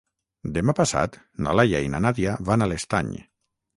Demà passat na Laia i na Nàdia van a l'Estany.